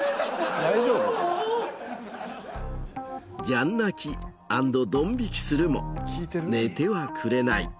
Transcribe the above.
ギャン泣きアンドドン引きするも寝てはくれない。